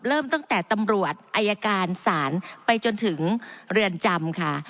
เริ่มตั้งแต่ตำรวจอายการศาลไปจนถึงเรือนจำค่ะ